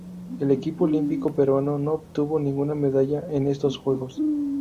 El equipo olímpico peruano no obtuvo ninguna medalla en estos Juegos.